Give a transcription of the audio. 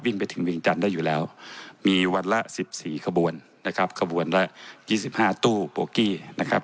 วิ่งไปถึงวิ่งจันทร์ได้อยู่แล้วมีวันละ๑๔ขบวนนะครับขบวนละ๒๕ตู้โปรกี้นะครับ